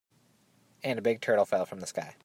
And a big turtle fell from the sky.